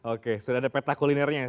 oke sudah ada peta kulinernya